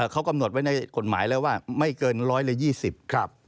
เขากำหนดไว้ในกฎหมายแล้วว่าไม่เกินร้อยละ๒๐